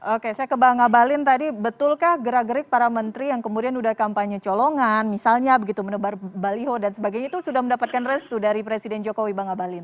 oke saya ke bang abalin tadi betulkah gerak gerik para menteri yang kemudian sudah kampanye colongan misalnya begitu menebar baliho dan sebagainya itu sudah mendapatkan restu dari presiden jokowi bang abalin